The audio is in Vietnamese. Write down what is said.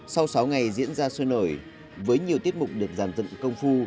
sau sáu ngày diễn ra sôi nổi với nhiều tiết mục được giàn dựng công phu